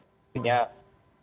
jalan tol akan lancar